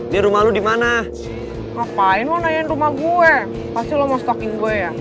dia rumah lu di mana ngapain lo nanya rumah gue pasti lo mau stocking gue ya